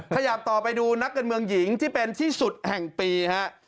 ขยับต่อไปดูนักการเมืองหญิงที่เป็นที่สุดแห่งปีฮะ